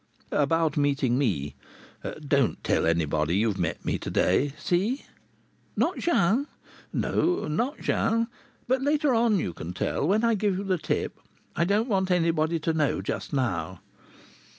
"About meeting me. Don't tell anybody you've met me to day. See?" "Not Jean?" "No, not Jean. But later on you can tell when I give you the tip. I don't want anybody to know just now."